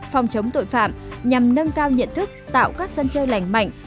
phòng chống tội phạm nhằm nâng cao nhận thức tạo các sân chơi lành mạnh